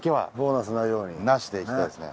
なしでいきたいですね。